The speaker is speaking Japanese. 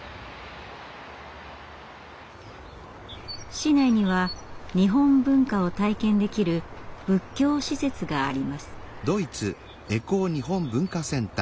市内には日本文化を体験できる仏教施設があります。